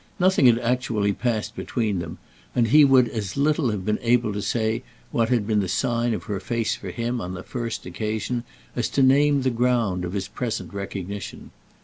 Nothing had actually passed between them, and he would as little have been able to say what had been the sign of her face for him on the first occasion as to name the ground of his present recognition.